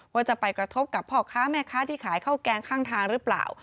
ว่าจะไปกระทบกับพ่อค้าแม่ค้าที่ขายข้าวแกงข้างทางหรือเปล่า